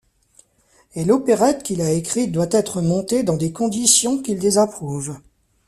Et l'opérette qu'il a écrite doit être montée dans des conditions qu'il désapprouve.